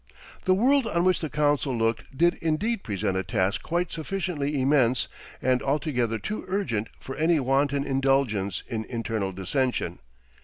The world on which the council looked did indeed present a task quite sufficiently immense and altogether too urgent for any wanton indulgence in internal dissension.